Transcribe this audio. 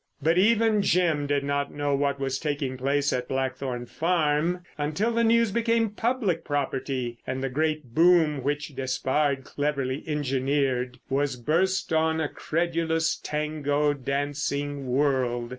But even Jim did not know what was taking place at Blackthorn Farm until the news became public property, and the great boom which Despard cleverly engineered was burst on a credulous, Tango dancing world.